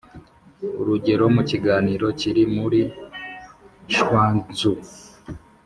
urugero, mu kiganiro kiri muri chuang tzu,